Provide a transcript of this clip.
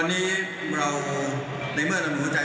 ตรงเรามึงรู้มาก